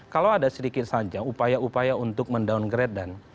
kalau ada sedikit saja upaya upaya untuk men downgrade dan